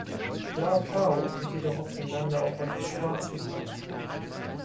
Lao Khao wird jedoch auf dem Lande auch häufig schwarz gebrannt.